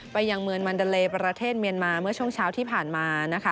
ยังเมืองมันดาเลประเทศเมียนมาเมื่อช่วงเช้าที่ผ่านมานะคะ